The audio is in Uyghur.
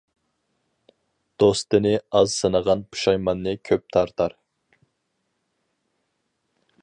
دوستىنى ئاز سىنىغان پۇشايماننى كۆپ تارتار.